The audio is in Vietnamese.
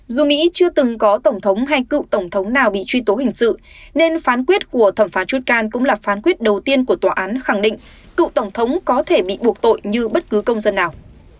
dù mỹ chưa từng có tổng thống hay cựu tổng thống nào bị truy tố hình sự nên phán quyết của thẩm phán chutcan cũng là phán quyết đầu tiên của tòa án khẳng định cựu tổng thống có thể bị buộc tội như bất cứ công dân nào